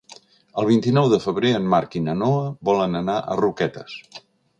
El vint-i-nou de febrer en Marc i na Noa volen anar a Roquetes.